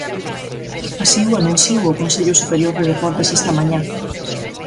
Así o anunciou o Consello Superior de Deportes esta mañá.